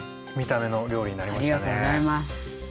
ありがとうございます。